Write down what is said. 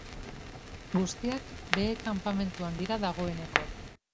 Guztiak behe kanpamentuan dira dagoeneko.